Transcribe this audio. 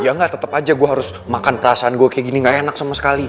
ya enggak tetap aja gue harus makan perasaan gue kayak gini gak enak sama sekali